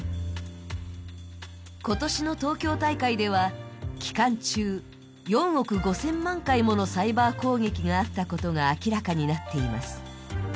今年の東京大会では、期間中、４億５０００万回ものサイバー攻撃があったことが明らかになっています。